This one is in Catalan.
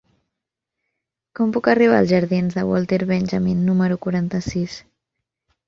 Com puc arribar als jardins de Walter Benjamin número quaranta-sis?